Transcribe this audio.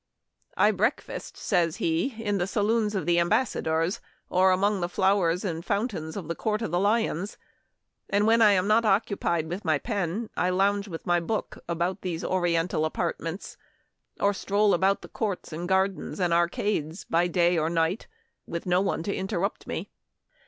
" I breakfast," says he, " in the saloons of the embassadors, or among the flowers and fountains in the Court of the Lions ; and when I am not occupied with my pen I lounge with my book about these oriental apart ments, or stroll about the courts and gardens and arcades, by day or night, with no one to interrupt me.